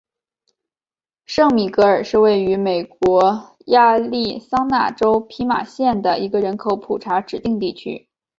圣米格尔是位于美国亚利桑那州皮马县的一个人口普查指定地区。